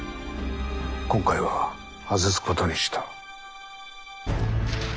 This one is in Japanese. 今回は外すことにした。